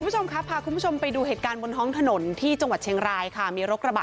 ผู้ชมครับภาพกุมชมไปดูเหตุการณ์บนห้องถนนที่จงหวัดเชียงรายข้ามีรถกระบะ